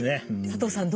佐藤さん